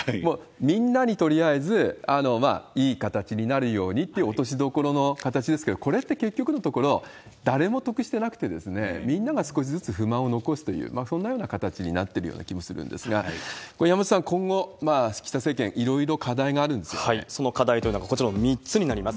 みんなにとりあえずいい形になるようにっていう落としどころの形ですけど、これって結局のところ、誰も得してなくて、みんなが少しずつ不満を残すという、そんなような形になってるような気もするんですが、これ、山本さん、今後、岸田政権、はい、その課題というのがこちらの３つになります。